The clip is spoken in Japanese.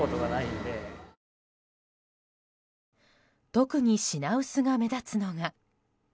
特に品薄が目立つのが。